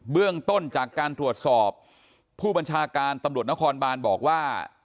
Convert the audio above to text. เบื้องต้นจากการตรวจสอบผู้บัญชาการตำรวจนครบานบอกว่า